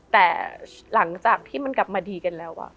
แต่หลังจากที่มันกลับมาดีกันแล้ว